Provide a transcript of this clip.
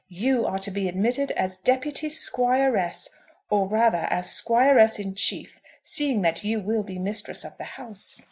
You are to be admitted as deputy Squiress, or rather as Squiress in chief, seeing that you will be mistress of the house.